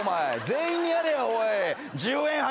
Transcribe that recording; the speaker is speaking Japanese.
全員にやれやおい。